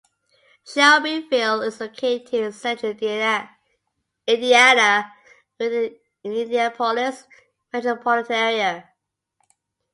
Shelbyville is located in Central Indiana and within the Indianapolis metropolitan area.